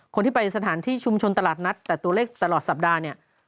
คนที่ไปสถานที่ชุมชนตลาดนัดแต่ตัวเลขตลอดสัปดาห์เนี่ย